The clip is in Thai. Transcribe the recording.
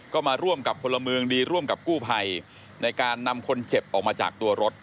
ก็มาร่วมกับพลเมืองดีร่วมกับกู้ภัยในการนำคนเจ็บออกมาจากตัวรถ